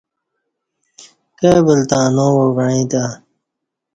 کائی ول تہ اناو وا وعیں تہ